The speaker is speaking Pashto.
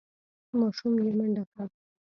ماشوم یې منډه کړه.